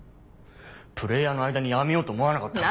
プレイヤーの間にやめようと思わなかったのか？